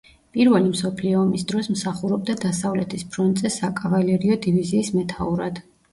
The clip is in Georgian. პირველი მსოფლიო ომის დროს მსახურობდა დასავლეთის ფრონტზე საკავალერიო დივიზიის მეთაურად.